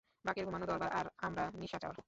বাকের ঘুমানো দরকার আর আমরা নিশাচর।